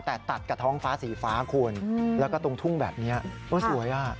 แต่ตัดกับท้องฟ้าสีฟ้าคุณแล้วก็ตรงทุ่งแบบนี้โอ้สวยอ่ะ